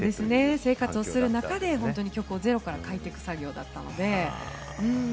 生活をする中で曲をゼロから書いていく作業だったので。